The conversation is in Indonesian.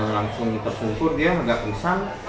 langsung tersumpur dia agak kesan